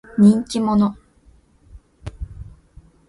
人気者。